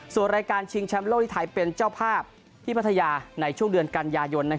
ส่วนรายการชิงแชมป์โลกที่ไทยเป็นเจ้าภาพที่พัทยาในช่วงเดือนกันยายน